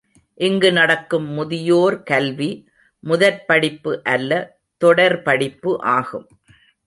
இங்கு நடக்கும் முதியோர் கல்வி, முதற்படிப்பு அல்ல தொடர் படிப்பு ஆகும்.